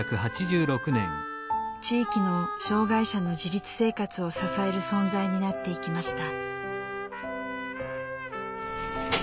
地域の障害者の自立生活を支える存在になっていきました。